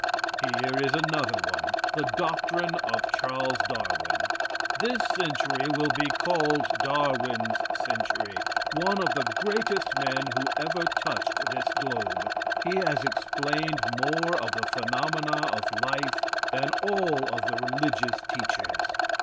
Here is another one the doctrine of Charles Darwin. This century will be called Darwin's century, one of the greatest men who ever touched this globe. He has explained more of the phenomena of life than all of the religious teachers.